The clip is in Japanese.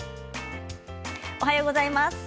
おはようございます。